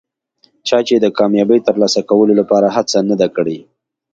چا چې د کامیابۍ ترلاسه کولو لپاره هڅه نه ده کړي.